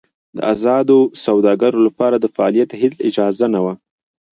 د ازادو سوداګرو لپاره د فعالیت هېڅ اجازه نه وه.